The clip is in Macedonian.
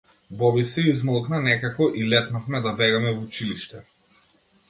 Боби се измолкна некако и летнавме да бегаме в училиште.